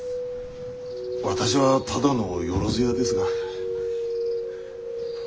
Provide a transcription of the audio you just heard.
私はただのよろず屋ですが。